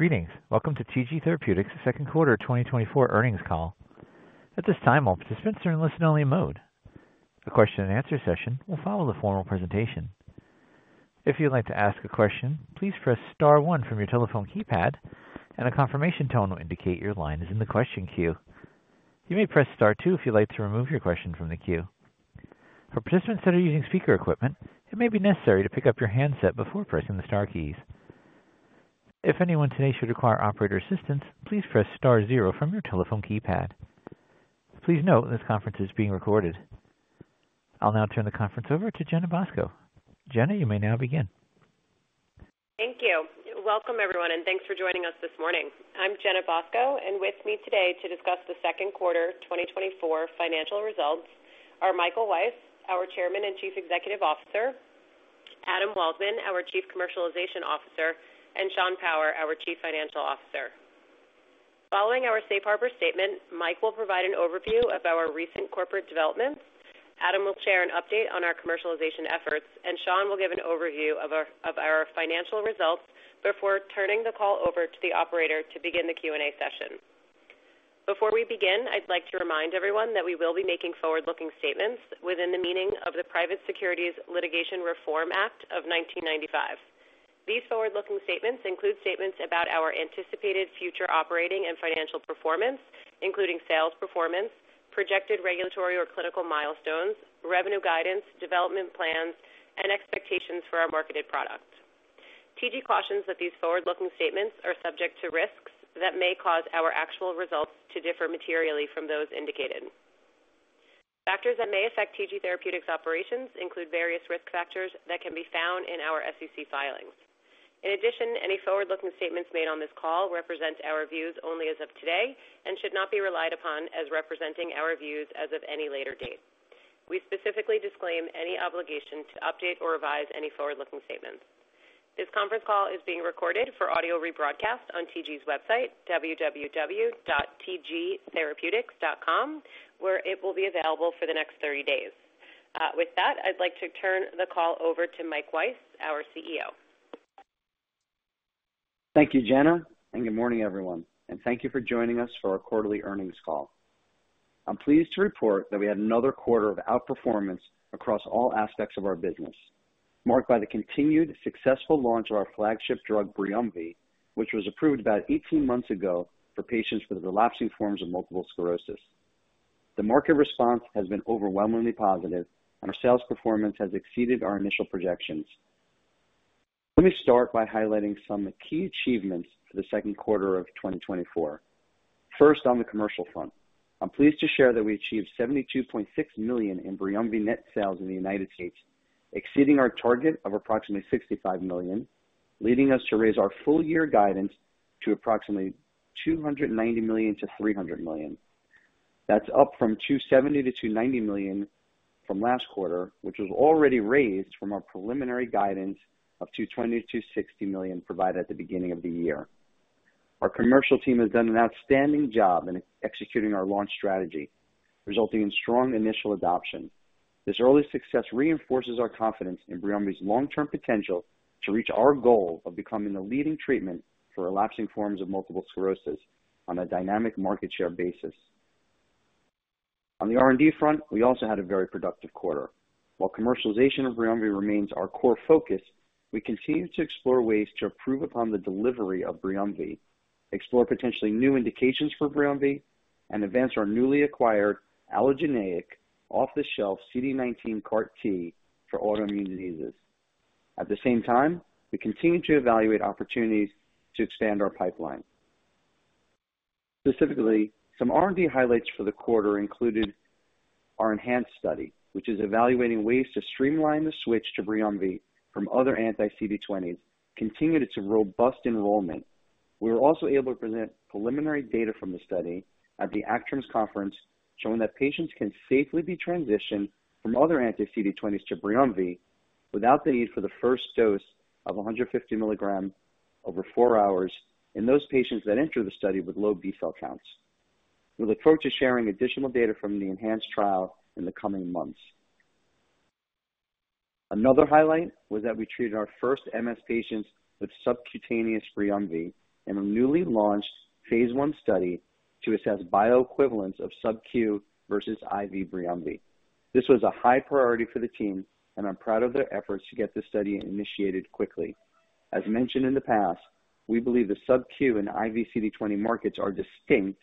Greetings! Welcome to TG Therapeutics' Second Quarter 2024 Earnings Call. At this time, all participants are in listen-only mode. A question-and-answer session will follow the formal presentation. If you'd like to ask a question, please press star one from your telephone keypad, and a confirmation tone will indicate your line is in the question queue. You may press star two if you'd like to remove your question from the queue. For participants that are using speaker equipment, it may be necessary to pick up your handset before pressing the star keys. If anyone today should require operator assistance, please press star zero from your telephone keypad. Please note, this conference is being recorded. I'll now turn the conference over to Jenna Bosco. Jenna, you may now begin. Thank you. Welcome, everyone, and thanks for joining us this morning. I'm Jenna Bosco, and with me today to discuss the second quarter 2024 financial results are Michael Weiss, our Chairman and Chief Executive Officer; Adam Waldman, our Chief Commercialization Officer; and Sean Power, our Chief Financial Officer. Following our safe harbor statement, Mike will provide an overview of our recent corporate developments, Adam will share an update on our commercialization efforts, and Sean will give an overview of our financial results before turning the call over to the operator to begin the Q&A session. Before we begin, I'd like to remind everyone that we will be making forward-looking statements within the meaning of the Private Securities Litigation Reform Act of 1995. These forward-looking statements include statements about our anticipated future operating and financial performance, including sales performance, projected regulatory or clinical milestones, revenue guidance, development plans, and expectations for our marketed product. TG cautions that these forward-looking statements are subject to risks that may cause our actual results to differ materially from those indicated. Factors that may affect TG Therapeutics' operations include various risk factors that can be found in our SEC filings. In addition, any forward-looking statements made on this call represent our views only as of today and should not be relied upon as representing our views as of any later date. We specifically disclaim any obligation to update or revise any forward-looking statements. This conference call is being recorded for audio rebroadcast on TG's website, www.tgtherapeutics.com, where it will be available for the next thirty days. With that, I'd like to turn the call over to Mike Weiss, our CEO. Thank you, Jenna, and good morning, everyone, and thank you for joining us for our quarterly earnings call. I'm pleased to report that we had another quarter of outperformance across all aspects of our business, marked by the continued successful launch of our flagship drug, Briumvi, which was approved about 18 months ago for patients with the relapsing forms of multiple sclerosis. The market response has been overwhelmingly positive, and our sales performance has exceeded our initial projections. Let me start by highlighting some key achievements for the second quarter of 2024. First, on the commercial front, I'm pleased to share that we achieved $72.6 million in Briumvi net sales in the United States, exceeding our target of approximately $65 million, leading us to raise our full year guidance to approximately $290 million-$300 million. That's up from $270 million-$290 million from last quarter, which was already raised from our preliminary guidance of $220 million-$260 million provided at the beginning of the year. Our commercial team has done an outstanding job in executing our launch strategy, resulting in strong initial adoption. This early success reinforces our confidence in Briumvi's long-term potential to reach our goal of becoming the leading treatment for relapsing forms of multiple sclerosis on a dynamic market share basis. On the R&D front, we also had a very productive quarter. While commercialization of Briumvi remains our core focus, we continue to explore ways to improve upon the delivery of Briumvi, explore potentially new indications for Briumvi, and advance our newly acquired allogeneic off-the-shelf CD19 CAR T for autoimmune diseases. At the same time, we continue to evaluate opportunities to expand our pipeline. Specifically, some R&D highlights for the quarter included our ENHANCE study, which is evaluating ways to streamline the switch to Briumvi from other anti-CD20s, continued its robust enrollment. We were also able to present preliminary data from the study at the ACTRIMS conference, showing that patients can safely be transitioned from other anti-CD20s to Briumvi without the need for the first dose of 150 milligrams over four hours in those patients that enter the study with low B-cell counts. We look forward to sharing additional data from the ENHANCE trial in the coming months. Another highlight was that we treated our first MS patients with subQtaneous Briumvi in a newly launched phase I study to assess bioequivalence of subQ versus IV Briumvi. This was a high priority for the team, and I'm proud of their efforts to get this study initiated quickly. As mentioned in the past, we believe the subQ and IV CD20 markets are distinct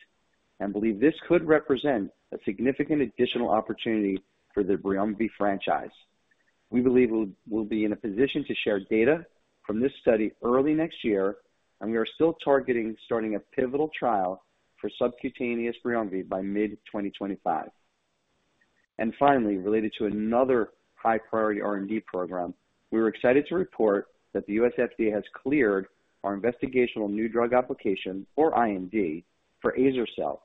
and believe this could represent a significant additional opportunity for the Briumvi franchise. We believe we'll be in a position to share data from this study early next year, and we are still targeting starting a pivotal trial for subQtaneous Briumvi by mid-2025. And finally, related to another high-priority R&D program, we are excited to report that the U.S. FDA has cleared our Investigational New Drug application, or IND, for azer-cel,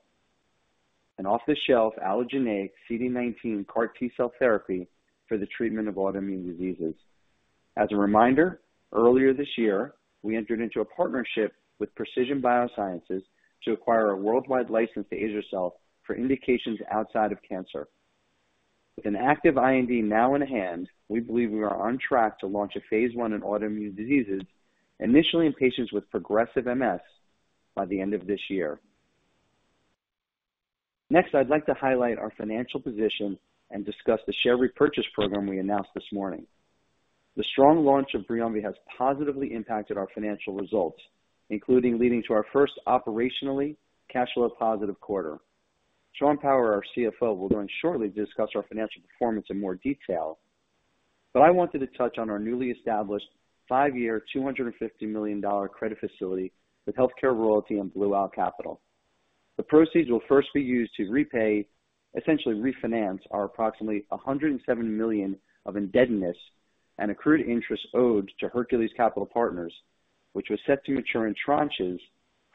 an off-the-shelf allogeneic CD19 CAR T-cell therapy for the treatment of autoimmune diseases. As a reminder, earlier this year, we entered into a partnership with Precision BioSciences to acquire a worldwide license to azer-cel for indications outside of cancer.... With an active IND now in hand, we believe we are on track to launch a phase 1 in autoimmune diseases, initially in patients with progressive MS, by the end of this year. Next, I'd like to highlight our financial position and discuss the share repurchase program we announced this morning. The strong launch of Briumvi has positively impacted our financial results, including leading to our first operationally cash flow positive quarter. Sean Power, our CFO, will join shortly to discuss our financial performance in more detail, but I wanted to touch on our newly established five-year, $250 million credit facility with HealthCare Royalty and Blue Owl Capital. The proceeds will first be used to repay, essentially refinance, our approximately $107 million of indebtedness and accrued interest owed to Hercules Capital, which was set to mature in tranches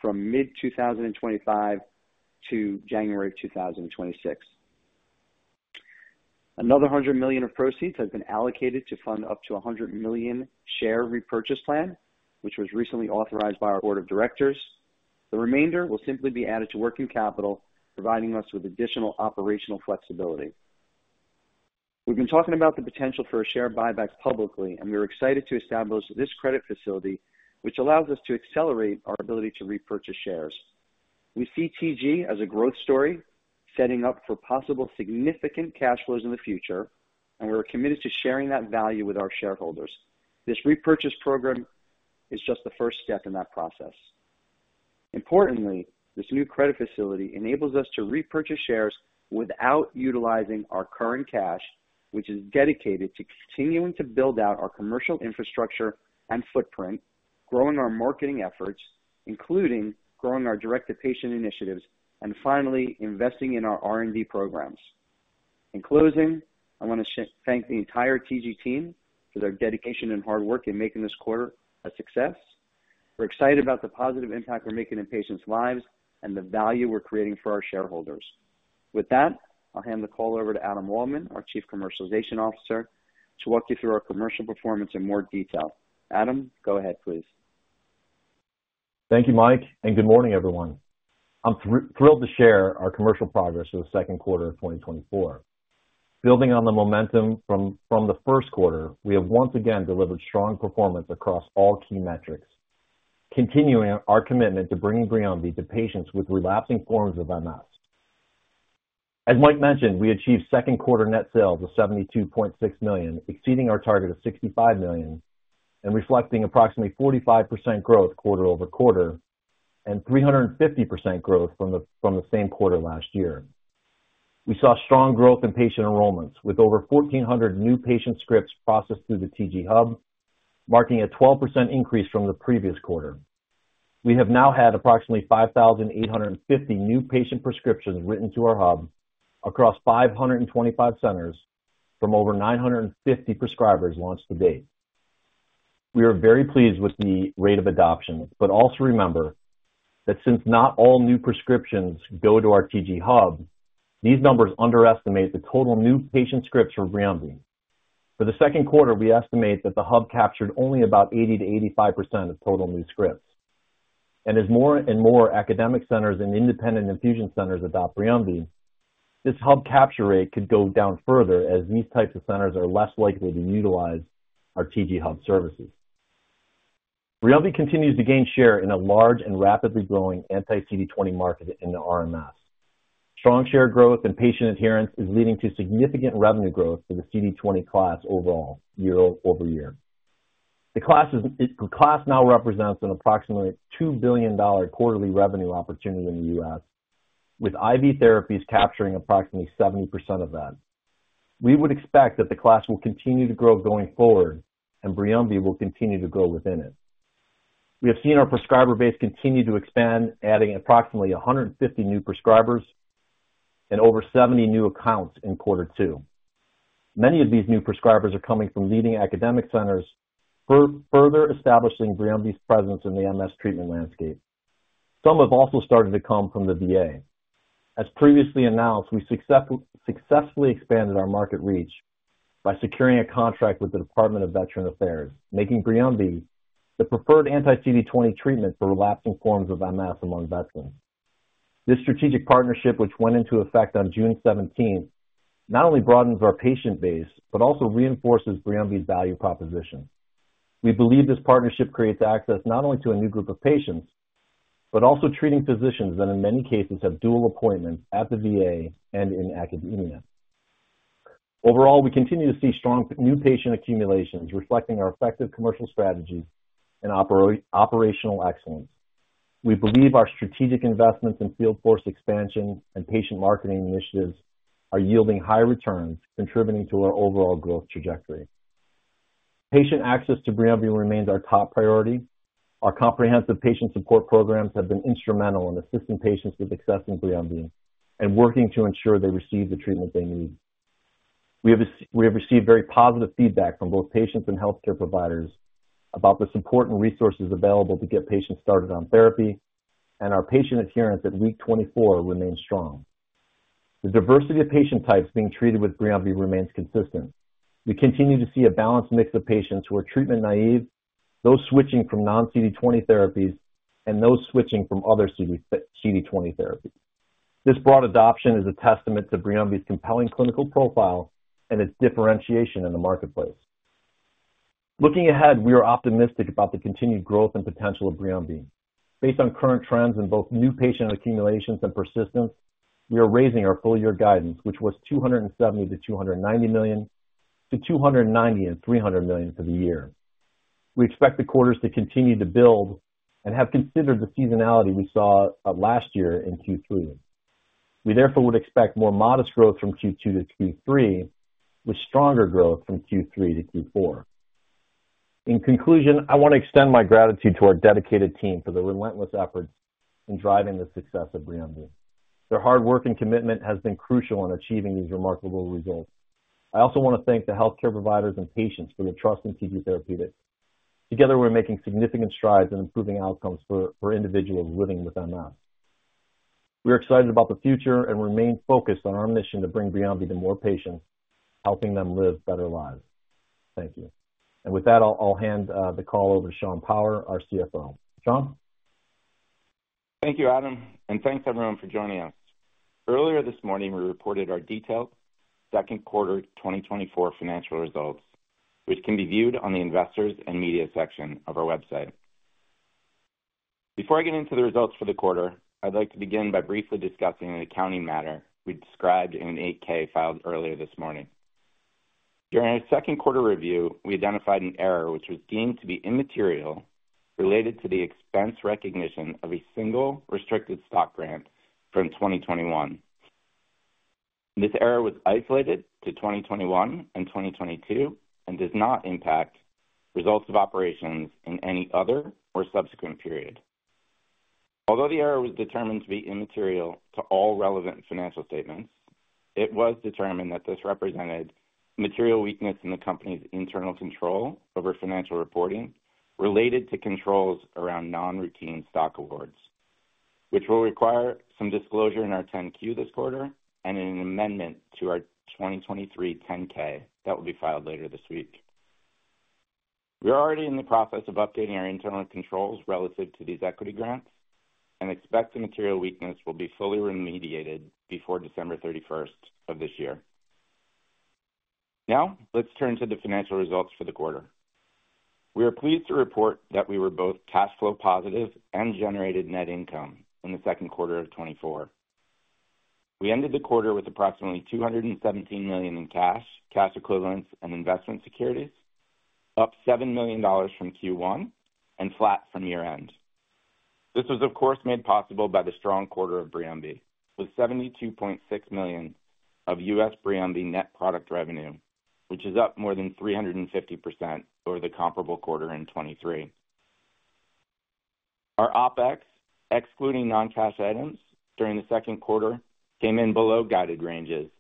from mid-2025 to January 2026. Another $100 million of proceeds has been allocated to fund up to a $100 million share repurchase plan, which was recently authorized by our board of directors. The remainder will simply be added to working capital, providing us with additional operational flexibility. We've been talking about the potential for a share buyback publicly, and we are excited to establish this credit facility, which allows us to accelerate our ability to repurchase shares. We see TG as a growth story, setting up for possible significant cash flows in the future, and we are committed to sharing that value with our shareholders. This repurchase program is just the first step in that process. Importantly, this new credit facility enables us to repurchase shares without utilizing our current cash, which is dedicated to continuing to build out our commercial infrastructure and footprint, growing our marketing efforts, including growing our direct-to-patient initiatives, and finally, investing in our R&D programs. In closing, I want to thank the entire TG team for their dedication and hard work in making this quarter a success. We're excited about the positive impact we're making in patients' lives and the value we're creating for our shareholders. With that, I'll hand the call over to Adam Waldman, our Chief Commercialization Officer, to walk you through our commercial performance in more detail. Adam, go ahead, please. Thank you, Mike, and good morning, everyone. I'm thrilled to share our commercial progress for the second quarter of 2024. Building on the momentum from the first quarter, we have once again delivered strong performance across all key metrics, continuing our commitment to bringing Briumvi to patients with relapsing forms of MS. As Mike mentioned, we achieved second quarter net sales of $72.6 million, exceeding our target of $65 million, and reflecting approximately 45% growth quarter-over-quarter and 350% growth from the same quarter last year. We saw strong growth in patient enrollments, with over 1,400 new patient scripts processed through the TG Hub, marking a 12% increase from the previous quarter. We have now had approximately 5,850 new patient prescriptions written to our hub across 525 centers from over 950 prescribers to date. We are very pleased with the rate of adoption, but also remember that since not all new prescriptions go to our TG hub, these numbers underestimate the total new patient scripts for Briumvi. For the second quarter, we estimate that the hub captured only about 80%-85% of total new scripts. As more and more academic centers and independent infusion centers adopt Briumvi, this hub capture rate could go down further, as these types of centers are less likely to utilize our TG hub services. Briumvi continues to gain share in a large and rapidly growing anti-CD20 market in the RMS. Strong share growth and patient adherence is leading to significant revenue growth for the CD20 class overall, year over year. The class now represents an approximately $2 billion quarterly revenue opportunity in the US, with IV therapies capturing approximately 70% of that. We would expect that the class will continue to grow going forward, and Briumvi will continue to grow within it. We have seen our prescriber base continue to expand, adding approximately 150 new prescribers and over 70 new accounts in quarter two. Many of these new prescribers are coming from leading academic centers, further establishing Briumvi's presence in the MS treatment landscape. Some have also started to come from the VA. As previously announced, we successfully expanded our market reach by securing a contract with the Department of Veterans Affairs, making Briumvi the preferred anti-CD20 treatment for relapsing forms of MS among veterans. This strategic partnership, which went into effect on June seventeenth, not only broadens our patient base, but also reinforces Briumvi's value proposition. We believe this partnership creates access not only to a new group of patients, but also treating physicians that, in many cases, have dual appointments at the VA and in academia. Overall, we continue to see strong new patient accumulations, reflecting our effective commercial strategies and operational excellence. We believe our strategic investments in field force expansion and patient marketing initiatives are yielding high returns, contributing to our overall growth trajectory. Patient access to Briumvi remains our top priority. Our comprehensive patient support programs have been instrumental in assisting patients with accessing Briumvi and working to ensure they receive the treatment they need. We have received very positive feedback from both patients and healthcare providers about the support and resources available to get patients started on therapy, and our patient adherence at week 24 remains strong. The diversity of patient types being treated with Briumvi remains consistent. We continue to see a balanced mix of patients who are treatment-naive, those switching from non-CD20 therapies and those switching from other CD20 therapies. This broad adoption is a testament to Briumvi's compelling clinical profile and its differentiation in the marketplace. Looking ahead, we are optimistic about the continued growth and potential of Briumvi. Based on current trends in both new patient accumulations and persistence, we are raising our full year guidance, which was $270 million-$290 million, to $290 million-$300 million for the year. We expect the quarters to continue to build and have considered the seasonality we saw last year in Q3. We therefore would expect more modest growth from Q2 to Q3, with stronger growth from Q3 to Q4. In conclusion, I want to extend my gratitude to our dedicated team for their relentless efforts in driving the success of Briumvi. Their hard work and commitment has been crucial in achieving these remarkable results. I also want to thank the healthcare providers and patients for their trust in TG Therapeutics. Together, we're making significant strides in improving outcomes for individuals living with MS. We are excited about the future and remain focused on our mission to bring Briumvi to more patients, helping them live better lives. Thank you. With that, I'll hand the call over to Sean Power, our CFO. Sean? Thank you, Adam, and thanks everyone for joining us. Earlier this morning, we reported our detailed second quarter 2024 financial results, which can be viewed on the investors and media section of our website. Before I get into the results for the quarter, I'd like to begin by briefly discussing an accounting matter we described in an 8-K filed earlier this morning. During our second quarter review, we identified an error which was deemed to be immaterial, related to the expense recognition of a single restricted stock grant from 2021. This error was isolated to 2021 and 2022, and does not impact results of operations in any other or subsequent period. Although the error was determined to be immaterial to all relevant financial statements, it was determined that this represented material weakness in the company's internal control over financial reporting, related to controls around non-routine stock awards, which will require some disclosure in our 10-Q this quarter and in an amendment to our 2023 10-K that will be filed later this week. We are already in the process of updating our internal controls relative to these equity grants and expect the material weakness will be fully remediated before December 31st of this year. Now, let's turn to the financial results for the quarter. We are pleased to report that we were both cash flow positive and generated net income in the second quarter of 2024. We ended the quarter with approximately $217 million in cash, cash equivalents, and investment securities, up $7 million from Q1 and flat from year-end. This was, of course, made possible by the strong quarter of Briumvi, with $72.6 million of U.S. Briumvi net product revenue, which is up more than 350% over the comparable quarter in 2023. Our OpEx, excluding non-cash items during the second quarter, came in below guided ranges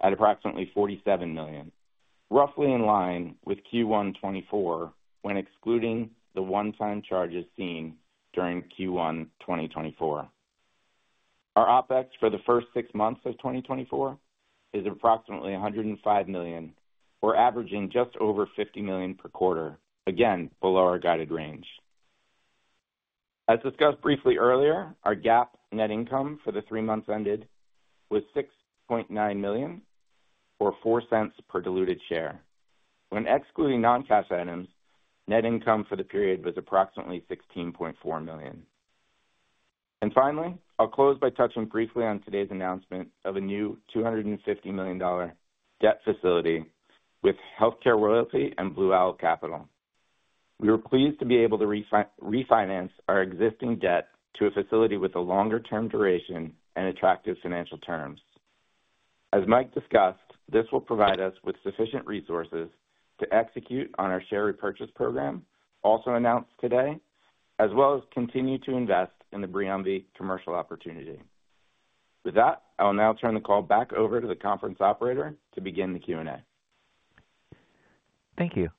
at approximately $47 million, roughly in line with Q1 2024, when excluding the one-time charges seen during Q1 2024. Our OpEx for the first six months of 2024 is approximately $105 million, or averaging just over $50 million per quarter, again, below our guided range. As discussed briefly earlier, our GAAP net income for the three months ended was $6.9 million, or $0.04 per diluted share. When excluding non-cash items, net income for the period was approximately $16.4 million. Finally, I'll close by touching briefly on today's announcement of a new $250 million debt facility with HealthCare Royalty and Blue Owl Capital. We were pleased to be able to refinance our existing debt to a facility with a longer term duration and attractive financial terms. As Mike discussed, this will provide us with sufficient resources to execute on our share repurchase program, also announced today, as well as continue to invest in the Briumvi commercial opportunity. With that, I will now turn the call back over to the conference operator to begin the Q&A. Thank you.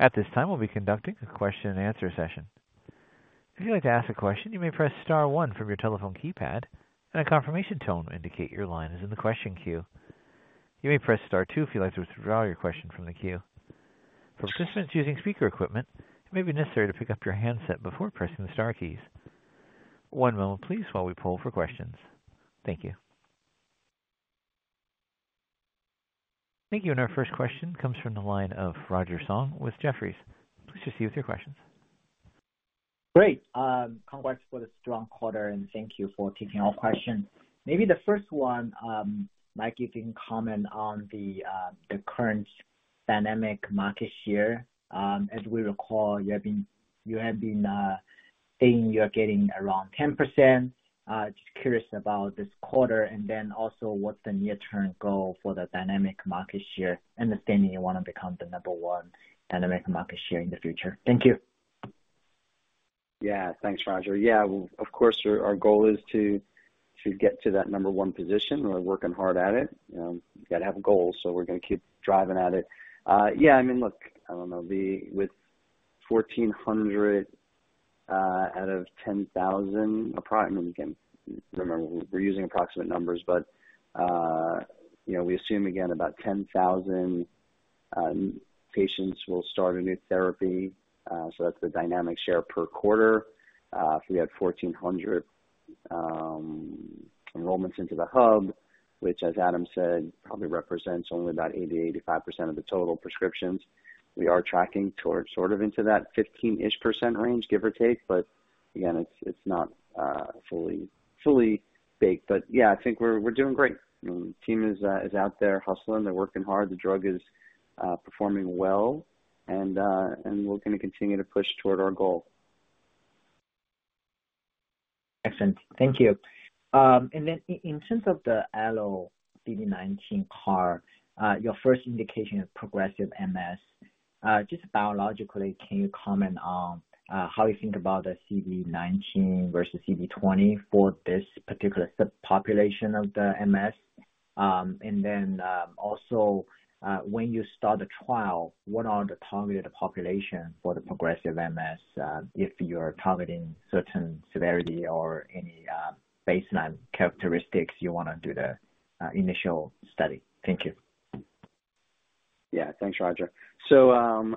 At this time, we'll be conducting a question and answer session. If you'd like to ask a question, you may press star one from your telephone keypad, and a confirmation tone will indicate your line is in the question queue. You may press star two if you'd like to withdraw your question from the queue. For participants using speaker equipment, it may be necessary to pick up your handset before pressing the star keys. One moment please while we poll for questions. Thank you. Thank you, and our first question comes from the line of Roger Song with Jefferies. Please proceed with your questions. Great. Congrats for the strong quarter, and thank you for taking our question. Maybe the first one, Mike, if you can comment on the current anti-CD20 market share. As we recall, you have been saying you are getting around 10%. Just curious about this quarter, and then also, what's the near-term goal for the anti-CD20 market share, understanding you want to become the number one anti-CD20 market share in the future. Thank you. Yeah. Thanks, Roger. Yeah, well, of course, our goal is to get to that number one position. We're working hard at it. You know, you got to have goals, so we're going to keep driving at it. Yeah, I mean, look, I don't know, the—with 1,400-... out of 10,000. I mean, you can remember we're using approximate numbers, but, you know, we assume again, about 10,000 patients will start a new therapy, so that's the dynamic share per quarter. If we had 1,400 enrollments into the hub, which, as Adam said, probably represents only about 80%-85% of the total prescriptions, we are tracking towards sort of into that 15%-ish percent range, give or take. But again, it's, it's not, fully, fully baked. But yeah, I think we're, we're doing great. I mean, the team is out there hustling. They're working hard, the drug is performing well, and, and we're going to continue to push toward our goal. Excellent. Thank you. And then in terms of the Allo CD19 CAR, your first indication of progressive MS, just biologically, can you comment on how you think about the CD19 versus CD20 for this particular subpopulation of the MS? And then also, when you start the trial, what are the targeted population for the progressive MS, if you are targeting certain severity or any baseline characteristics you want to do the initial study? Thank you. Yeah. Thanks, Roger. So,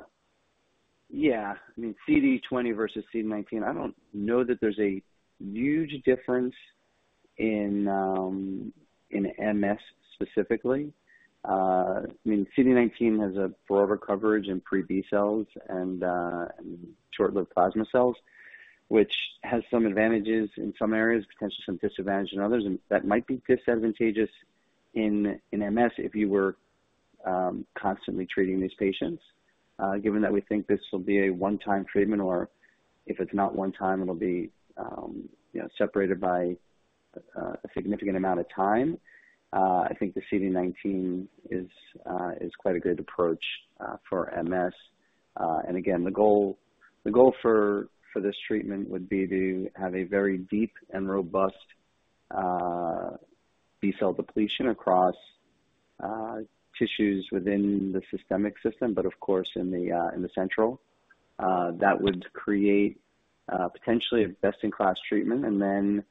yeah, I mean, CD20 versus CD19, I don't know that there's a huge difference in MS specifically. I mean, CD19 has a broader coverage in pre-B cells and short-lived plasma cells, which has some advantages in some areas, potentially some disadvantage in others, and that might be disadvantageous in MS if you were constantly treating these patients. Given that we think this will be a one-time treatment, or if it's not one time, it'll be, you know, separated by a significant amount of time, I think the CD19 is quite a good approach for MS. And again, the goal for this treatment would be to have a very deep and robust B-cell depletion across tissues within the systemic system. But of course, in the CNS, that would create potentially a best-in-class treatment. And then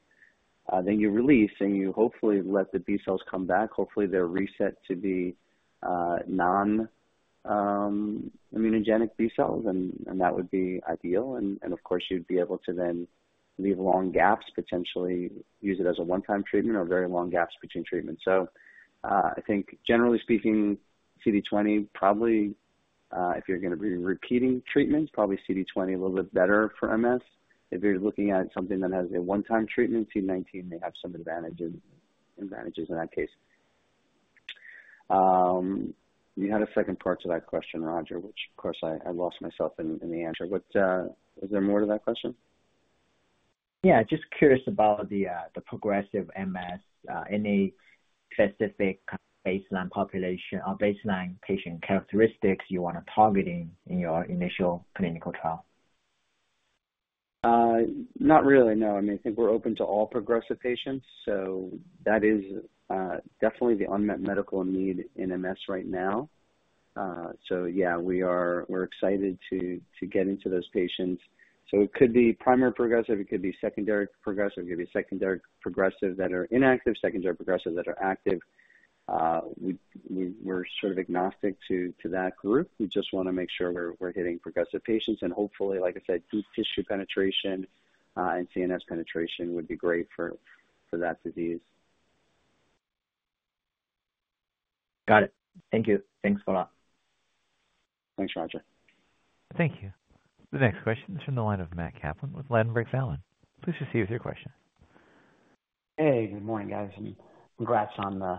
you release, and you hopefully let the B-cells come back. Hopefully, they're reset to be non-immunogenic B-cells, and that would be ideal. And of course, you'd be able to then leave long gaps, potentially use it as a one-time treatment or very long gaps between treatments. So, I think generally speaking, CD20 probably, if you're going to be repeating treatments, probably CD20 a little bit better for MS. If you're looking at something that has a one-time treatment, CD19 may have some advantages in that case. You had a second part to that question, Roger, which of course, I lost myself in the answer. What... was there more to that question? Yeah, just curious about the progressive MS. Any specific baseline population or baseline patient characteristics you want to target in your initial clinical trial? Not really, no. I mean, I think we're open to all progressive patients, so that is definitely the unmet medical need in MS right now. So yeah, we are, we're excited to get into those patients. So it could be primary progressive, it could be secondary progressive, it could be secondary progressive that are inactive, secondary progressive that are active. We, we're sort of agnostic to that group. We just want to make sure we're hitting progressive patients, and hopefully, like I said, deep tissue penetration and CNS penetration would be great for that disease. Got it. Thank you. Thanks a lot. Thanks, Roger. Thank you. The next question is from the line of Matt Kaplan with Ladenburg Thalmann. Please proceed with your question. Hey, good morning, guys, and congrats on the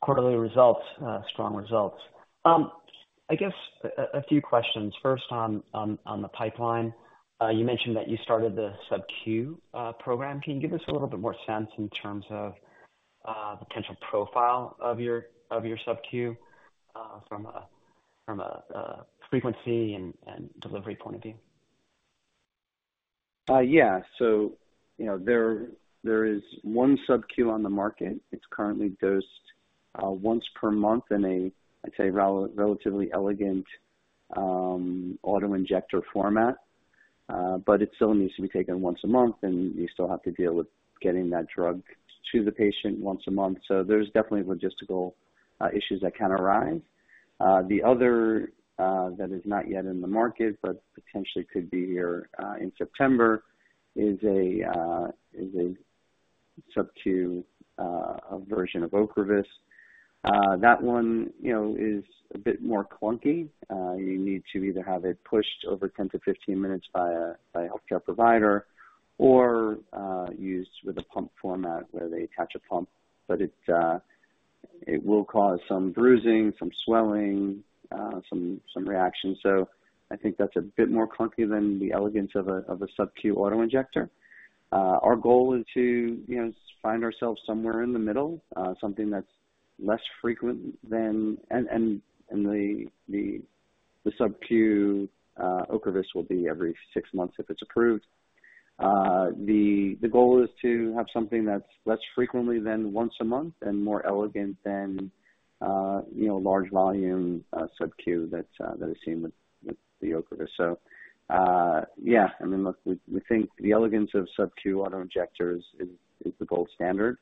quarterly results. Strong results. I guess a few questions. First on the pipeline. You mentioned that you started the subQ program. Can you give us a little bit more sense in terms of potential profile of your subQ from a frequency and delivery point of view? Yeah. So, you know, there is one subQ on the market. It's currently dosed once per month in a, I'd say, relatively elegant auto-injector format, but it still needs to be taken once a month, and you still have to deal with getting that drug to the patient once a month. So there's definitely logistical issues that can arise. The other that is not yet in the market, but potentially could be here in September, is a subQ version of Ocrevus. That one, you know, is a bit more clunky. You need to either have it pushed over 10-15 minutes by a healthcare provider or used with a pump format where they attach a pump, but it will cause some bruising, some swelling, some reactions. So I think that's a bit more clunky than the elegance of a subQ auto-injector. Our goal is to, you know, find ourselves somewhere in the middle, something that's less frequent than and the subQ Ocrevus will be every six months if it's approved. The goal is to have something that's less frequently than once a month and more elegant than, you know, large volume subQ that is seen with the Ocrevus. So, yeah, I mean, look, we think the elegance of subQ auto-injectors is the gold standard,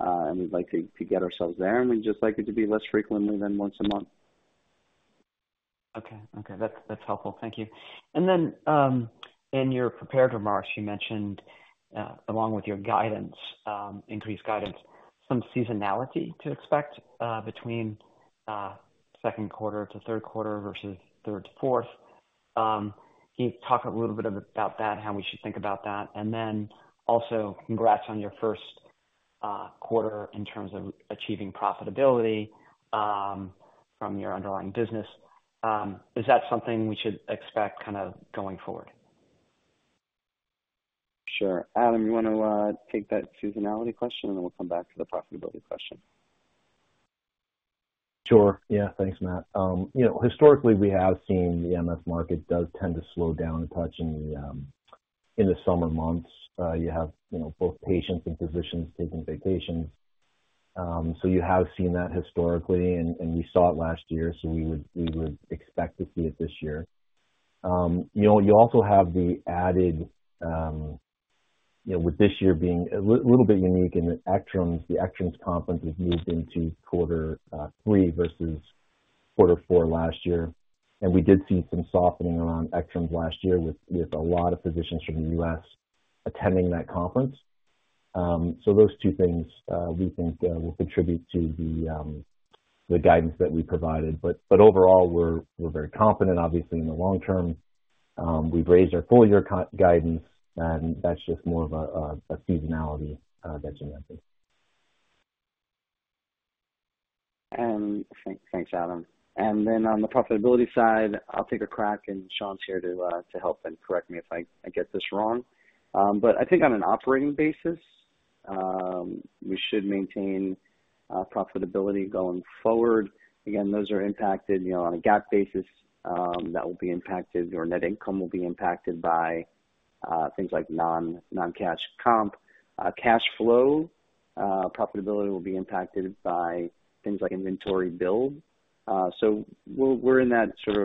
and we'd like to get ourselves there, and we'd just like it to be less frequently than once a month. Okay. Okay, that's, that's helpful. Thank you. And then, in your prepared remarks, you mentioned, along with your guidance, increased guidance, some seasonality to expect, between second quarter to third quarter versus third to fourth. Can you talk a little bit about that, how we should think about that? And then also, congrats on your first quarter in terms of achieving profitability, from your underlying business. Is that something we should expect kind of going forward? Sure. Adam, you wanna take that seasonality question, and then we'll come back to the profitability question. Sure. Yeah. Thanks, Matt. You know, historically, we have seen the MS market does tend to slow down a touch in the, in the summer months. You know, both patients and physicians taking vacations. So you have seen that historically, and, and we saw it last year, so we would, we would expect to see it this year. You know, you also have the added, you know, with this year being a little bit unique in that ECTRIMS, the ECTRIMS conference was moved into quarter three versus quarter four last year, and we did see some softening around ECTRIMS last year with, with a lot of physicians from the US attending that conference. So those two things, we think, will contribute to the, the guidance that we provided. But overall, we're very confident, obviously, in the long term. We've raised our full-year guidance, and that's just more of a seasonality that you're seeing. And thanks, Adam. Then on the profitability side, I'll take a crack, and Sean's here to help and correct me if I get this wrong. But I think on an operating basis, we should maintain profitability going forward. Again, those are impacted, you know, on a GAAP basis, that will be impacted, or net income will be impacted by things like non-cash comp. Cash flow profitability will be impacted by things like inventory build. So we're in that sort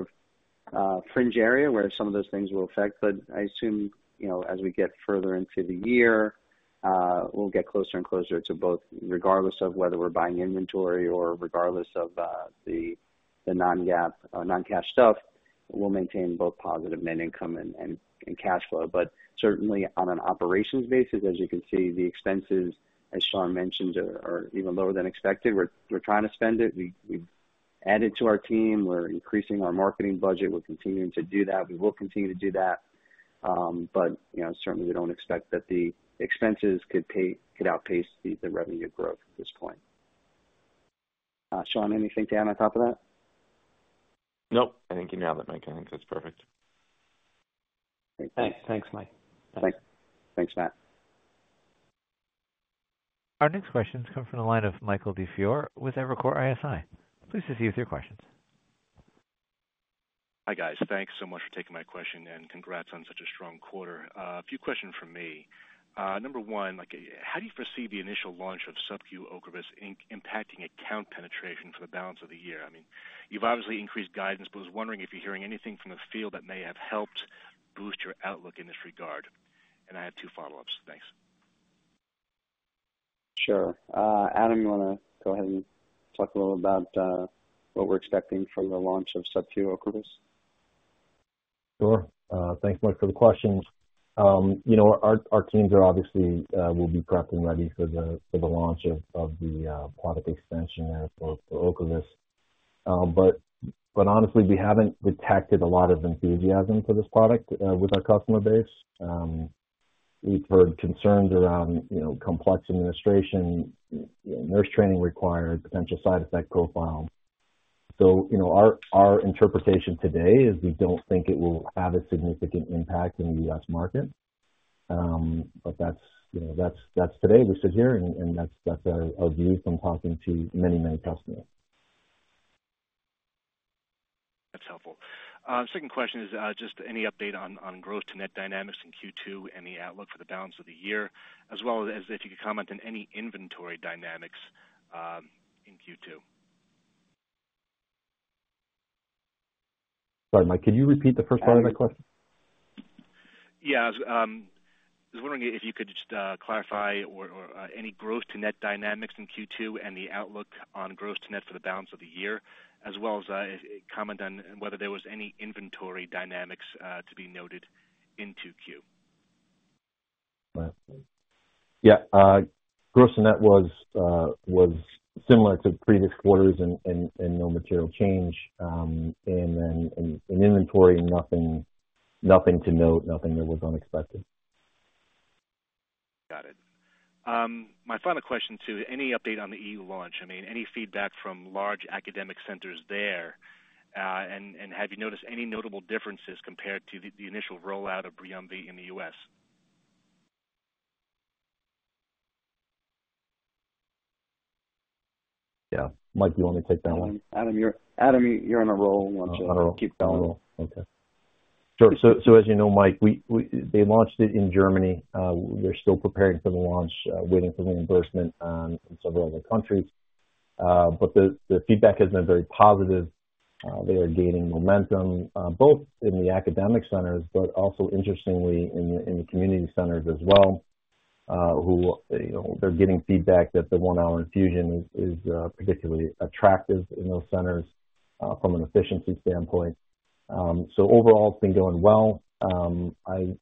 of fringe area where some of those things will affect, but I assume, you know, as we get further into the year, we'll get closer and closer to both, regardless of whether we're buying inventory or regardless of the non-GAAP non-cash stuff, we'll maintain both positive net income and cash flow. But certainly on an operations basis, as you can see, the expenses, as Sean mentioned, are even lower than expected. We're trying to spend it. We've added to our team. We're increasing our marketing budget. We're continuing to do that. We will continue to do that. But, you know, certainly we don't expect that the expenses could outpace the revenue growth at this point. Sean, anything to add on top of that? Nope. I think you nailed it, Mike. I think that's perfect. Great. Thanks. Thanks, Mike. Thanks. Thanks, Matt. Our next question comes from the line of Michael DiFiore with Evercore ISI. Please proceed with your questions. Hi, guys. Thanks so much for taking my question, and congrats on such a strong quarter. A few questions from me. Number one, like, how do you foresee the initial launch of subQ Ocrevus impacting account penetration for the balance of the year? I mean, you've obviously increased guidance, but I was wondering if you're hearing anything from the field that may have helped boost your outlook in this regard. I have two follow-ups. Thanks. Sure. Adam, you wanna go ahead and talk a little about what we're expecting from the launch of subQ Ocrevus? Sure. Thanks, Mike, for the questions. You know, our teams are obviously will be prepped and ready for the launch of the product expansion for Ocrevus. But honestly, we haven't detected a lot of enthusiasm for this product with our customer base. We've heard concerns around, you know, complex administration, you know, nurse training required, potential side effect profile. So, you know, our interpretation today is we don't think it will have a significant impact in the US market. But that's, you know, that's our view from talking to many, many customers. That's helpful. Second question is, just any update on gross to net dynamics in Q2 and the outlook for the balance of the year, as well as if you could comment on any inventory dynamics in Q2? Sorry, Mike, could you repeat the first part of that question? Yeah, I was wondering if you could just clarify or any gross to net dynamics in Q2 and the outlook on gross to net for the balance of the year, as well as comment on whether there was any inventory dynamics to be noted in 2Q. Yeah. Gross to net was similar to previous quarters and no material change. And then in inventory, nothing to note, nothing that was unexpected. Got it. My final question: any update on the EU launch? I mean, any feedback from large academic centers there? And have you noticed any notable differences compared to the initial rollout of Briumvi in the U.S.?... Yeah. Mike, you want to take that one? Adam, you're on a roll. Why don't you keep going? Okay. Sure. So as you know, Mike, they launched it in Germany. We're still preparing for the launch, waiting for the reimbursement in several other countries. But the feedback has been very positive. They are gaining momentum both in the academic centers, but also interestingly, in the community centers as well. You know, they're getting feedback that the one-hour infusion is particularly attractive in those centers from an efficiency standpoint. So overall, it's been going well. You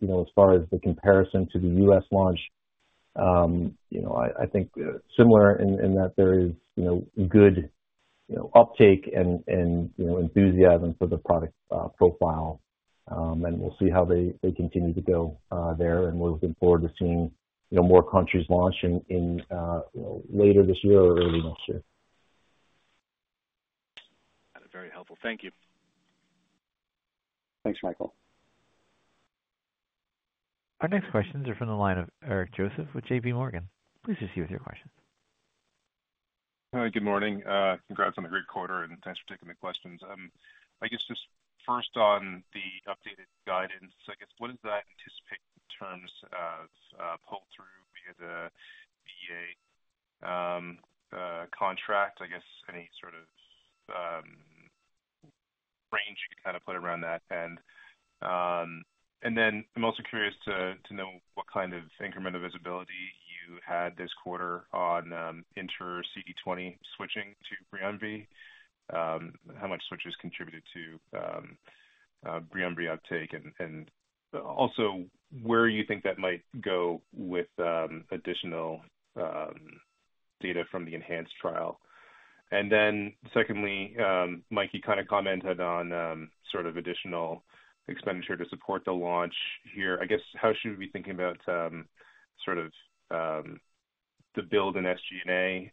know, as far as the comparison to the U.S. launch, you know, I think similar in that there is you know good you know uptake and you know enthusiasm for the product profile. We'll see how they, they continue to go there, and we're looking forward to seeing, you know, more countries launch in, you know, later this year or early next year. Very helpful. Thank you. Thanks, Michael. Our next questions are from the line of Eric Joseph with J.P. Morgan. Please proceed with your question. Hi, good morning. Congrats on a great quarter, and thanks for taking the questions. I guess just first on the updated guidance, I guess, what does that anticipate in terms of pull-through via the VA contract? I guess any sort of range you could kind of put around that? And then I'm also curious to know what kind of incremental visibility you had this quarter on intra-CD20 switching to Briumvi. How much switches contributed to Briumvi uptake, and also where you think that might go with additional data from the Enhanced trial? And then secondly, Mike, you kind of commented on sort of additional expenditure to support the launch here. I guess, how should we be thinking about sort of the build in SG&A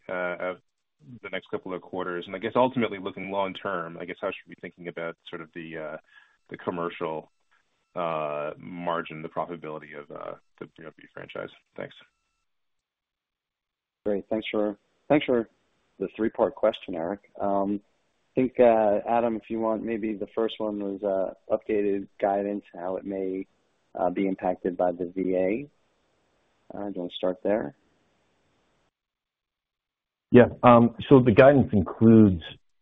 the next couple of quarters? I guess ultimately looking long term, I guess, how should we be thinking about sort of the commercial margin, the profitability of the Briumvi franchise? Thanks. Great. Thanks for the three-part question, Eric. I think, Adam, if you want, maybe the first one was, updated guidance, how it may be impacted by the VA. Do you want to start there? Yeah. So the guidance includes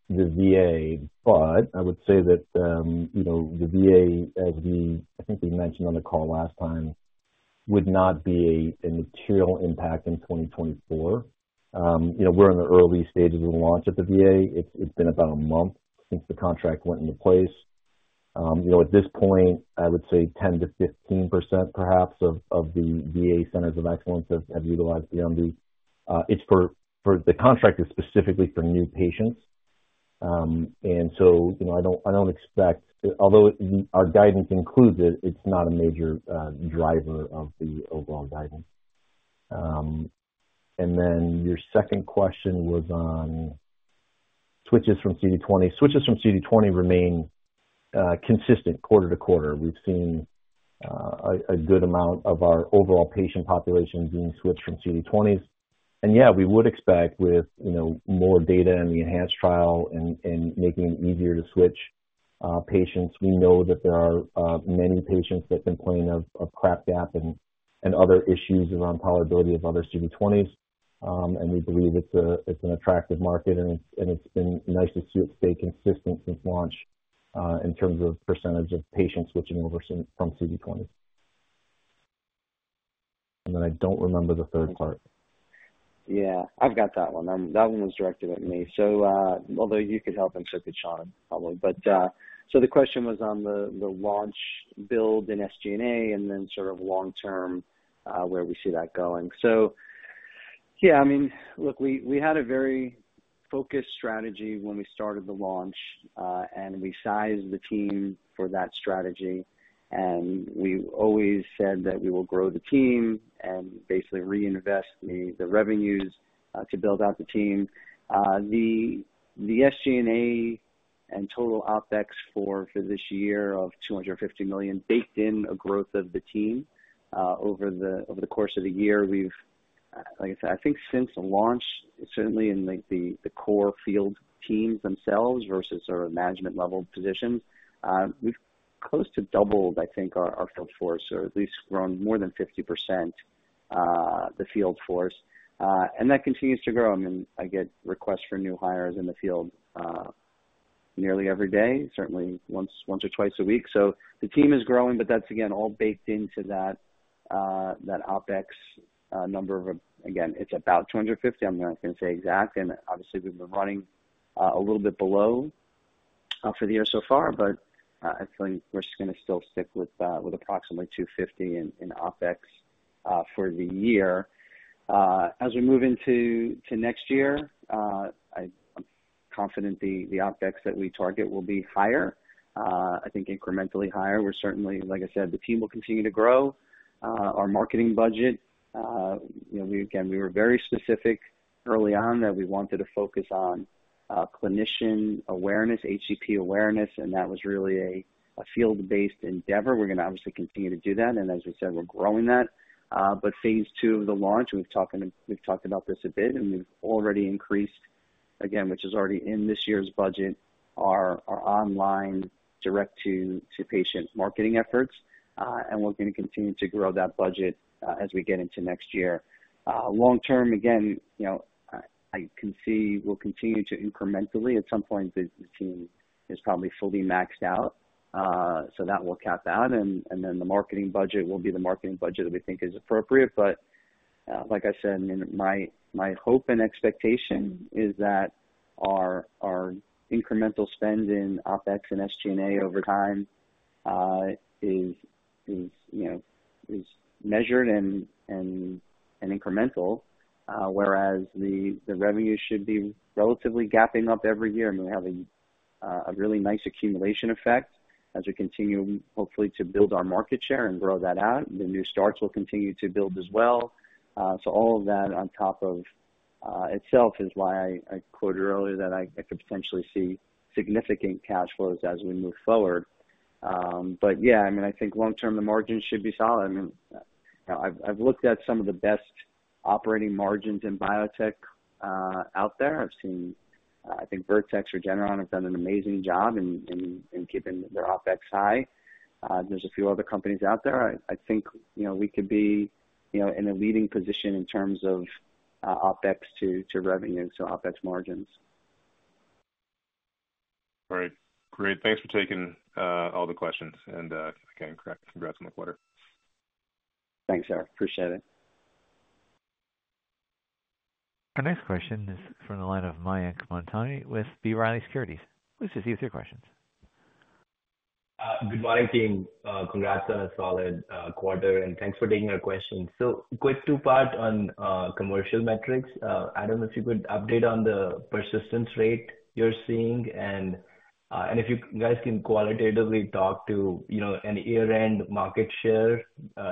the VA, but I would say that, you know, the VA, as we, I think we mentioned on the call last time, would not be a material impact in 2024. You know, we're in the early stages of the launch at the VA. It's been about a month since the contract went into place. You know, at this point, I would say 10%-15% perhaps of the VA Centers of Excellence have utilized Briumvi. It's for... The contract is specifically for new patients. And so, you know, I don't expect, although our guidance includes it, it's not a major driver of the overall guidance. And then your second question was on switches from CD20. Switches from CD20 remain consistent quarter to quarter. We've seen a good amount of our overall patient population being switched from CD20. And yeah, we would expect with, you know, more data in the Enhanced trial and making it easier to switch patients. We know that there are many patients that complain of crap gap and other issues around tolerability of other CD20s. And we believe it's an attractive market, and it's been nice to see it stay consistent since launch in terms of percentage of patients switching over from CD20. And then I don't remember the third part. Yeah, I've got that one. That one was directed at me. So, although you could help and take a shot at it, probably. But, so the question was on the launch build in SG&A and then sort of long term, where we see that going. So, yeah, I mean, look, we had a very focused strategy when we started the launch, and we sized the team for that strategy, and we always said that we will grow the team and basically reinvest the revenues to build out the team. The SG&A and total OpEx for this year of $250 million baked in a growth of the team. Over the course of the year, we've, like I said, I think since the launch, certainly in, like, the core field teams themselves versus our management level positions, we've close to doubled, I think, our field force, or at least grown more than 50%, the field force. And that continues to grow. I mean, I get requests for new hires in the field nearly every day, certainly once or twice a week. So the team is growing, but that's again, all baked into that OpEx number of, again, it's about $250. I'm not going to say exact. Obviously, we've been running a little bit below for the year so far, but I think we're just going to still stick with approximately $250 in OpEx for the year. As we move into next year, I'm confident the OpEx that we target will be higher, I think incrementally higher. We're certainly, like I said, the team will continue to grow. Our marketing budget, you know, again, we were very specific early on that we wanted to focus on clinician awareness, HCP awareness, and that was really a field-based endeavor. We're going to obviously continue to do that, and as we said, we're growing that. But phase two of the launch, we've talked about this a bit, and we've already increased, again, which is already in this year's budget, our online direct to patient marketing efforts. And we're going to continue to grow that budget, as we get into next year. Long term, again, you know, I can see we'll continue to incrementally. At some point, the team is probably fully maxed out, so that will cap out, and then the marketing budget will be the marketing budget that we think is appropriate. But, like I said, you know, my hope and expectation is that our incremental spend in OpEx and SG&A over time is, you know, measured and incremental. Whereas the revenue should be relatively gapping up every year, and we have a really nice accumulation effect as we continue, hopefully, to build our market share and grow that out. The new starts will continue to build as well. So all of that on top of itself is why I quoted earlier that I could potentially see significant cash flows as we move forward. But yeah, I mean, I think long term, the margins should be solid. I mean, I've looked at some of the best operating margins in biotech out there. I've seen... I think Vertex or Regeneron have done an amazing job in keeping their OpEx high. There's a few other companies out there. I think, you know, we could be, you know, in a leading position in terms of OpEx to revenue, so OpEx margins. All right. Great. Thanks for taking all the questions, and again, congrats on the quarter. Thanks, Eric. Appreciate it. Our next question is from the line of Mayank Mamtani with B. Riley Securities. Please just give us your questions. Good morning, team. Congrats on a solid quarter, and thanks for taking our questions. So quick two-part on commercial metrics. Adam, if you could update on the persistence rate you're seeing, and if you guys can qualitatively talk to, you know, a year-end market share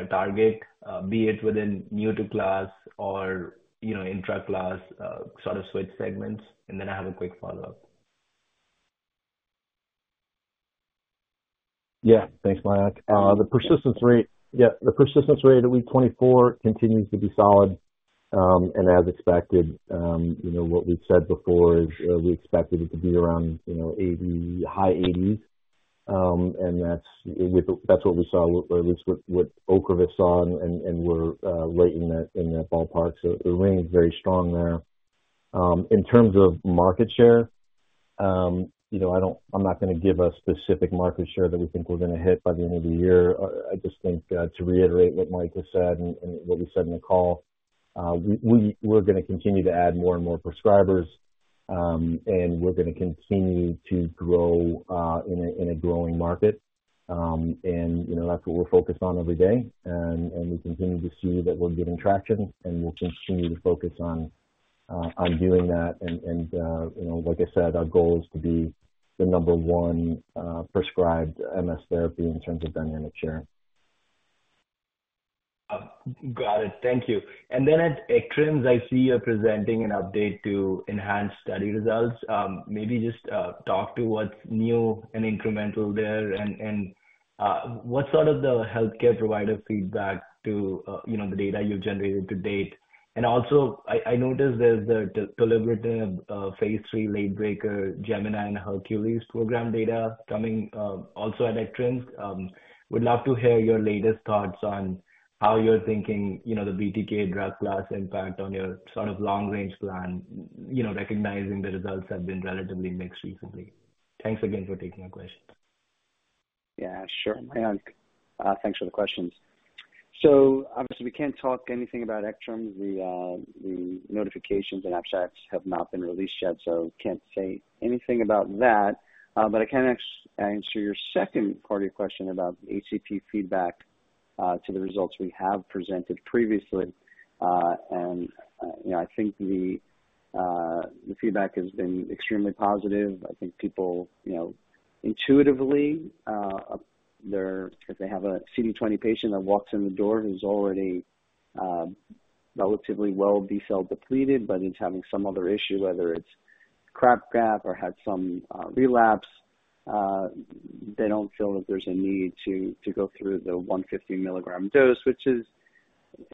target, be it within new to class or, you know, intraclass sort of switch segments. And then I have a quick follow-up. Yeah. Thanks, Mayank. The persistence rate—yeah, the persistence rate at week 24 continues to be solid, and as expected, you know, what we've said before is, we expected it to be around, you know, 80, high 80s. And that's, that's what we saw, at least with Ocrevus, and we're right in that, in that ballpark, so it remains very strong there. In terms of market share, you know, I don't, I'm not going to give a specific market share that we think we're going to hit by the end of the year. I just think, to reiterate what Mike just said and what we said in the call, we're going to continue to add more and more prescribers, and we're going to continue to grow in a growing market. You know, that's what we're focused on every day, and we continue to see that we're getting traction, and we'll continue to focus on doing that. You know, like I said, our goal is to be the number one prescribed MS therapy in terms of dynamic share. Got it. Thank you. And then at ECTRIMS, I see you're presenting an update to Enhanced study results. Maybe just talk to what's new and incremental there and what's sort of the healthcare provider feedback to you know the data you've generated to date? And also, I noticed there's the tolebrutinib phase 3 late breaker, Gemini and Hercules program data coming also at ECTRIMS. Would love to hear your latest thoughts on how you're thinking you know the BTK drug class impact on your sort of long-range plan you know recognizing the results have been relatively mixed recently. Thanks again for taking my questions. Yeah, sure, Mayank, thanks for the questions. So obviously, we can't talk anything about ECTRIMS. The notifications and abstracts have not been released yet, so can't say anything about that. But I can answer your second part of your question about HCP feedback to the results we have presented previously. You know, I think the feedback has been extremely positive. I think people, you know, intuitively, they're if they have a CD20 patient that walks in the door who's already relatively well B-cell depleted but is having some other issue, whether it's crap gap or had some relapse, they don't feel that there's a need to go through the 150 mg dose, which is,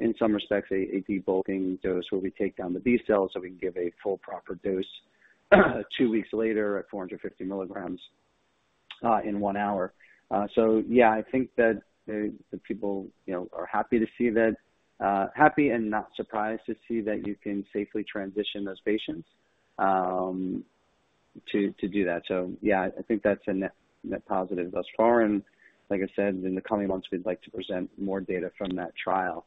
in some respects, a debulking dose, where we take down the B cells so we can give a full, proper dose two weeks later at 450 mg in one hour. So yeah, I think that the people, you know, are happy to see that, happy and not surprised to see that you can safely transition those patients to do that. So yeah, I think that's a net net positive thus far. Like I said, in the coming months, we'd like to present more data from that trial.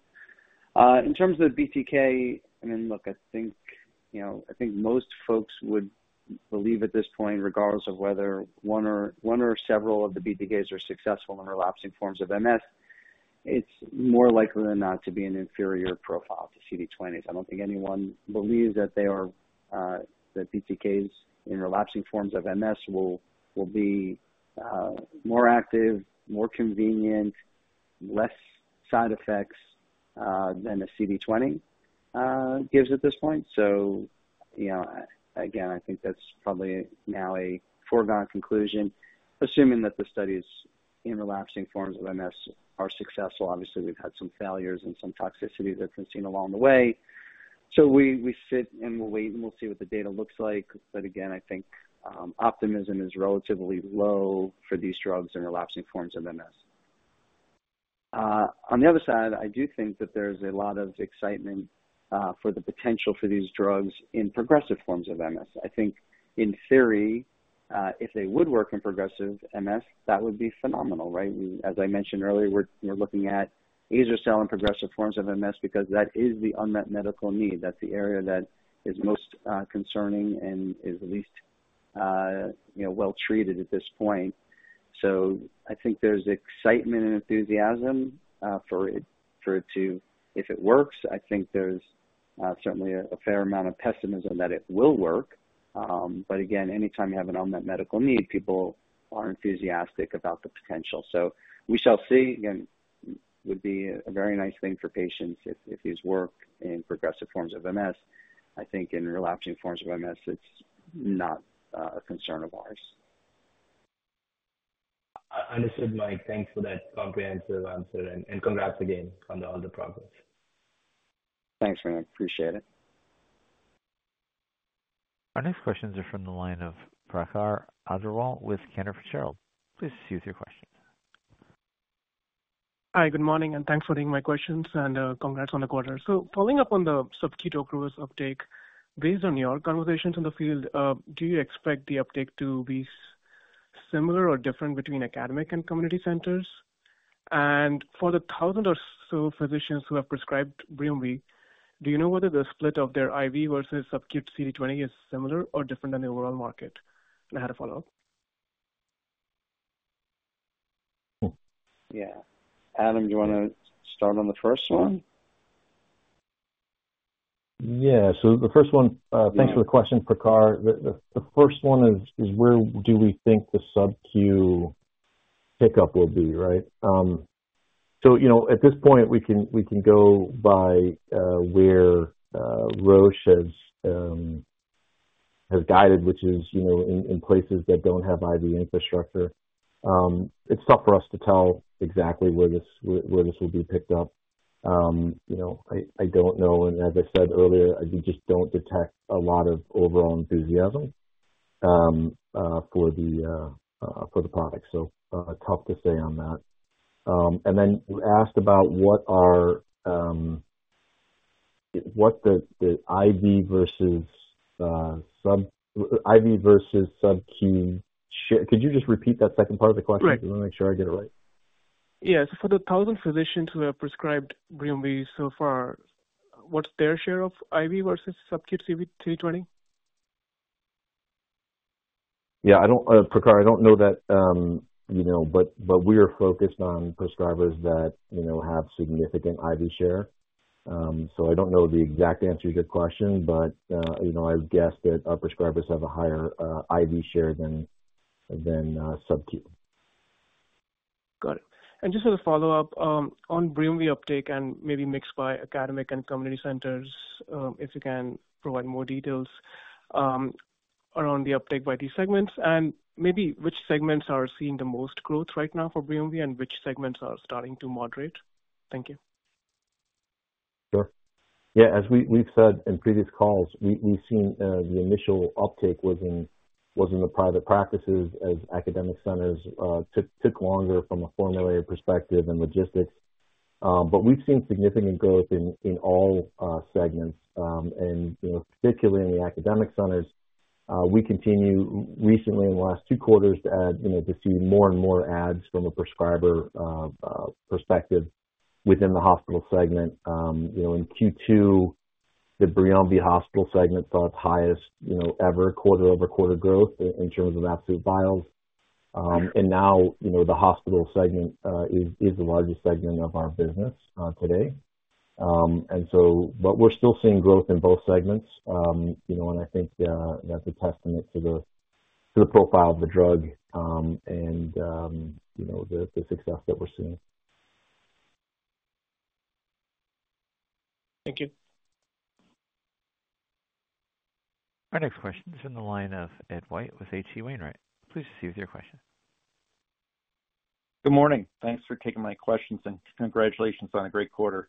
In terms of BTK, I mean, look, I think, you know, I think most folks would believe at this point, regardless of whether one or several of the BTKs are successful in relapsing forms of MS, it's more likely than not to be an inferior profile to CD20s. I don't think anyone believes that they are, that BTKs in relapsing forms of MS will be, more active, more convenient, less side effects, than the CD20 gives at this point. So, you know, again, I think that's probably now a foregone conclusion, assuming that the studies in relapsing forms of MS are successful. Obviously, we've had some failures and some toxicity that's been seen along the way. So we sit and we'll wait, and we'll see what the data looks like. But again, I think optimism is relatively low for these drugs in relapsing forms of MS. On the other side, I do think that there's a lot of excitement for the potential for these drugs in progressive forms of MS. I think in theory, if they would work in progressive MS, that would be phenomenal, right? As I mentioned earlier, we're, you know, looking at azer-cel in progressive forms of MS because that is the unmet medical need. That's the area that is most concerning and is least, you know, well treated at this point. So I think there's excitement and enthusiasm for it, for it to... If it works, I think there's certainly a fair amount of pessimism that it will work. But again, anytime you have an unmet medical need, people are enthusiastic about the potential. So we shall see. Again, would be a very nice thing for patients if these work in progressive forms of MS. I think in relapsing forms of MS, it's not a concern of ours. Understood, Mike. Thanks for that comprehensive answer, and congrats again on all the progress. Thanks, man. Appreciate it. Our next questions are from the line of Prakhar Agrawal with Cantor Fitzgerald. Please proceed with your question. Hi, good morning, and thanks for taking my questions, and, congrats on the quarter. So following up on the subQ growth uptake, based on your conversations in the field, do you expect the uptake to be similar or different between academic and community centers? And for the 1,000 or so physicians who have prescribed Briumvi, do you know whether the split of their IV versus subQ CD20 is similar or different than the overall market? And I had a follow-up. Yeah. Adam, do you want to start on the first one? Yeah. So the first one- Yeah. Thanks for the question, Prakhar. The first one is where do we think the subQ pickup will be, right? So, you know, at this point, we can go by where Roche has guided, which is, you know, in places that don't have IV infrastructure. It's tough for us to tell exactly where this will be picked up. You know, I don't know. And as I said earlier, you just don't detect a lot of overall enthusiasm for the product. So, tough to say on that. And then you asked about what the IV versus sub... IV versus subQ sh- Could you just repeat that second part of the question? Right. I want to make sure I get it right. Yes. For the 1,000 physicians who have prescribed Briumvi so far, what's their share of IV versus subQ CD20? Yeah, I don't, Prakhar, I don't know that, you know, but we are focused on prescribers that, you know, have significant IV share. So I don't know the exact answer to your question, but, you know, I would guess that our prescribers have a higher IV share than subQ. Got it. And just as a follow-up, on Briumvi uptake and maybe mixed by academic and community centers, if you can provide more details, around the uptake by these segments and maybe which segments are seeing the most growth right now for Briumvi and which segments are starting to moderate? Thank you. Sure. Yeah, as we've said in previous calls, we've seen the initial uptake was in the private practices as academic centers took longer from a formulary perspective and logistics. But we've seen significant growth in all segments, and you know, particularly in the academic centers. We continue recently in the last two quarters to add you know to see more and more adds from a prescriber perspective within the hospital segment. You know, in Q2, the Briumvi hospital segment saw its highest you know ever quarter-over-quarter growth in terms of absolute vials. And now you know the hospital segment is the largest segment of our business today. And so but we're still seeing growth in both segments. You know, I think that's a testament to the profile of the drug, and you know, the success that we're seeing. Thank you. Our next question is in the line of Ed White with H.C. Wainwright. Please proceed with your question. Good morning. Thanks for taking my questions, and congratulations on a great quarter.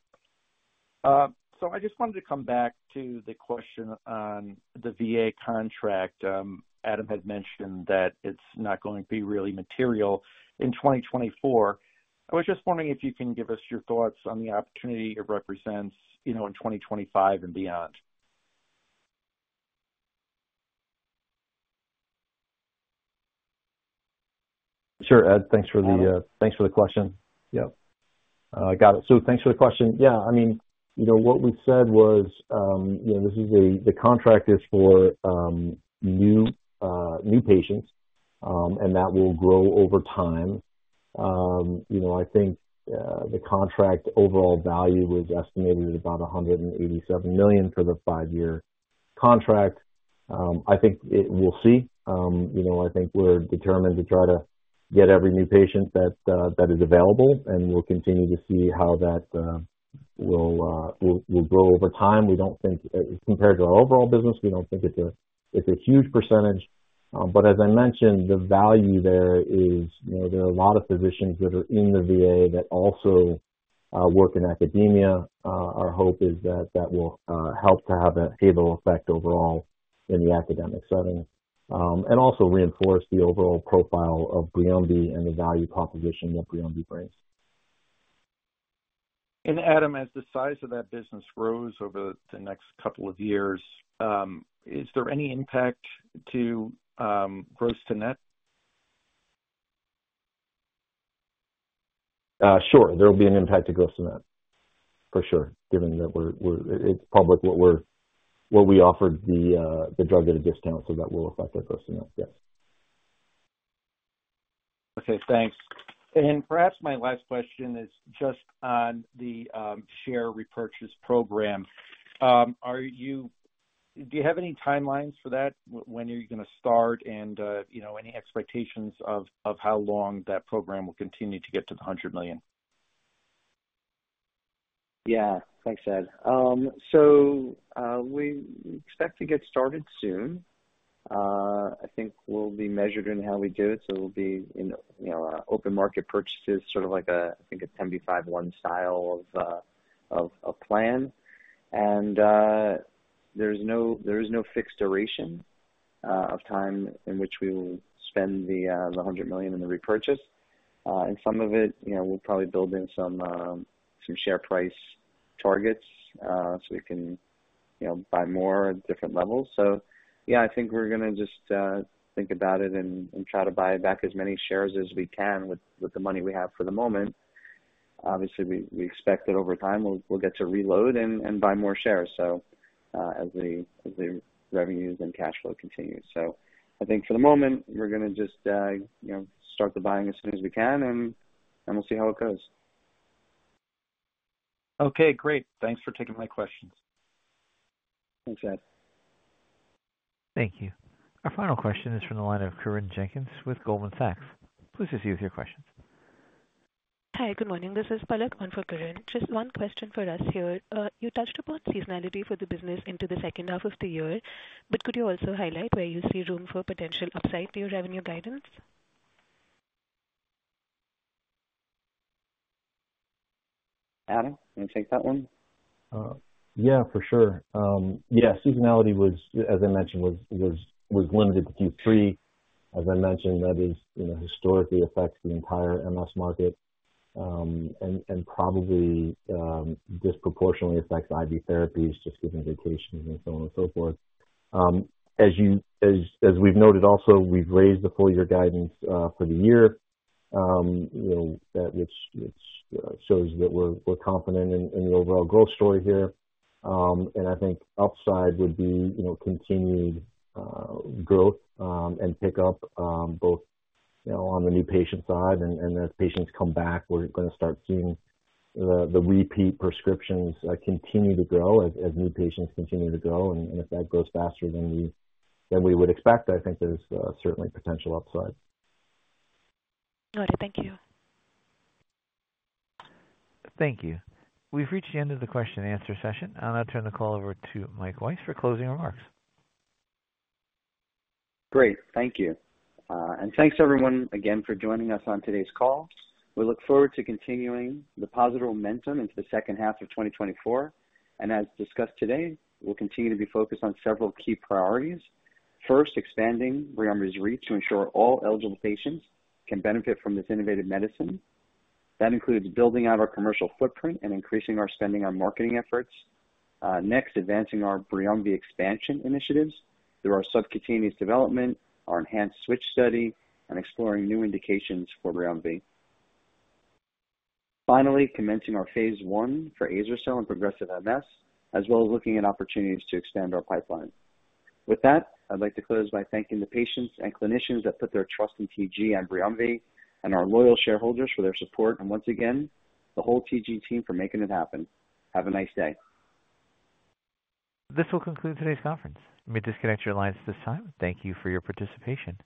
So I just wanted to come back to the question on the VA contract. Adam had mentioned that it's not going to be really material in 2024. I was just wondering if you can give us your thoughts on the opportunity it represents, you know, in 2025 and beyond. Sure, Ed. Thanks for the question. Yep. Got it. So thanks for the question. Yeah, I mean, you know, what we said was, you know, this is the contract is for new patients, and that will grow over time. You know, I think the contract overall value was estimated at about $187 million for the five-year contract, I think it, we'll see. You know, I think we're determined to try to get every new patient that is available, and we'll continue to see how that will grow over time. We don't think, compared to our overall business, we don't think it's a huge percentage. But as I mentioned, the value there is, you know, there are a lot of physicians that are in the VA that also work in academia. Our hope is that that will help to have a favorable effect overall in the academic setting. And also reinforce the overall profile of Briumvi and the value proposition that Briumvi brings. Adam, as the size of that business grows over the next couple of years, is there any impact to gross to net? Sure. There will be an impact to gross to net, for sure, given that we're—it's public, what we offered the drug at a discount, so that will affect our gross to net. Yes. Okay, thanks. Perhaps my last question is just on the share repurchase program. Do you have any timelines for that? When are you going to start? You know, any expectations of how long that program will continue to get to the $100 million? Yeah. Thanks, Ed. So, we expect to get started soon. I think we'll be measured in how we do it, so we'll be in, you know, open market purchases, sort of like a, I think, a 10b5-1 style of plan. And, there's no, there is no fixed duration of time in which we will spend the $100 million in the repurchase. And some of it, you know, we'll probably build in some share price targets, so we can, you know, buy more at different levels. So, yeah, I think we're gonna just think about it and try to buy back as many shares as we can with the money we have for the moment. Obviously, we expect that over time, we'll get to reload and buy more shares, so as the revenues and cash flow continues. So I think for the moment, we're gonna just, you know, start the buying as soon as we can, and we'll see how it goes. Okay, great. Thanks for taking my questions. Thanks, Ed. Thank you. Our final question is from the line of Corinne Jenkins with Goldman Sachs. Please proceed with your questions. Hi, good morning. This is Palak on for Corinne. Just one question for us here. You touched upon seasonality for the business into the second half of the year, but could you also highlight where you see room for potential upside to your revenue guidance? Adam, you want to take that one? Yeah, for sure. Yeah, seasonality was, as I mentioned, one to Q3. As I mentioned, that is, you know, historically affects the entire MS market, and probably disproportionately affects IV therapies, just given vacations and so on and so forth. As we've noted also, we've raised the full year guidance for the year. You know, that, which shows that we're confident in the overall growth story here. And I think upside would be, you know, continued growth and pick up, both, you know, on the new patient side and as patients come back, we're going to start seeing the repeat prescriptions continue to grow as new patients continue to grow. If that grows faster than we would expect, I think there's certainly potential upside. Got it. Thank you. Thank you. We've reached the end of the question and answer session. I'll now turn the call over to Mike Weiss for closing remarks. Great. Thank you. And thanks everyone again for joining us on today's call. We look forward to continuing the positive momentum into the second half of 2024. As discussed today, we'll continue to be focused on several key priorities. First, expanding Briumvi's reach to ensure all eligible patients can benefit from this innovative medicine. That includes building out our commercial footprint and increasing our spending on marketing efforts. Next, advancing our Briumvi expansion initiatives through our subQtaneous development, our enhanced switch study, and exploring new indications for Briumvi. Finally, commencing our phase 1 for azer-cel and progressive MS, as well as looking at opportunities to extend our pipeline. With that, I'd like to close by thanking the patients and clinicians that put their trust in TG and Briumvi, and our loyal shareholders for their support, and once again, the whole TG team for making it happen. Have a nice day. This will conclude today's conference. You may disconnect your lines at this time. Thank you for your participation.